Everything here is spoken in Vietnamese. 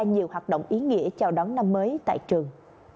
nhiều hoạt động ý nghĩa chào đón năm mới tại trường